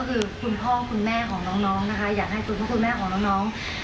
ก็คือคุณพ่อคุณแม่ของน้องนะคะอยากให้คุณพ่อคุณแม่ของน้อง